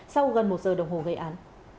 sau gần một giờ đồng hồ gây án